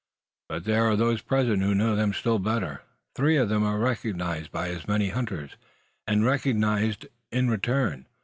But there are those present who know them still better. Three of them are recognised by as many hunters, and recognise them in turn.